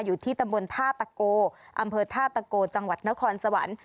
อยู่ที่ตำบลท่าตะโกอำเภอท่าตะโกจังหวัดนครสวรรค์